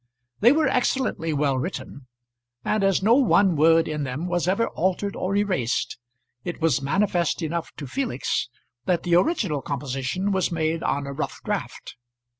They were excellently well written; and as no one word in them was ever altered or erased, it was manifest enough to Felix that the original composition was made on a rough draft.